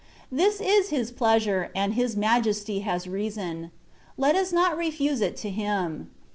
This is His pleasure, and His Majesty has reason : let us not refuse it to Him.